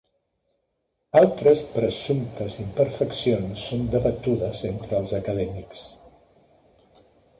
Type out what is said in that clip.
Altres presumptes imperfeccions són debatudes entre els acadèmics.